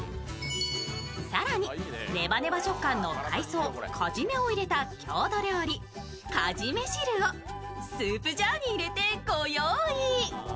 更にねばねば食感の海藻・かじめ入れたかじめ汁をスープジャーに入れてご用意。